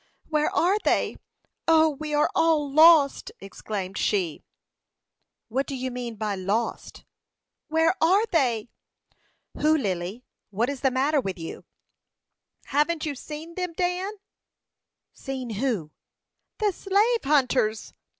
"Where are they? O, we are all lost!" exclaimed she. "What do you mean by lost?" "Where are they?" "Who, Lily? What is the matter with you?" "Haven't you seen them, Dan?" "Seen whom?" "The slave hunters!"